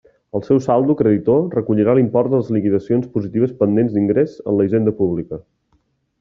El seu saldo, creditor, recollirà l'import de les liquidacions positives pendents d'ingrés en la Hisenda Pública.